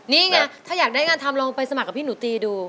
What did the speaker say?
นี่ไงถ้าอยากได้งานทำลองไปสมัครกับพี่หนูตีดู